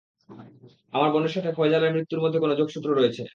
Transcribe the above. আমার বোনের সাথে ফয়জালের মৃত্যুর মধ্যে কোনো যোগসূত্র রয়েছে।